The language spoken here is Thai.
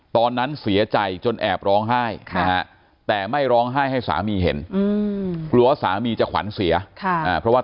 ต้องตามหากันต่อก็เลยถ่ายรูปตัวเองเอาไว้